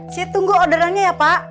saya tunggu orderannya ya pak